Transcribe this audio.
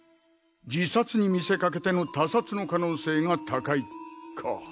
「自殺に見せかけての他殺」の可能性が高いか。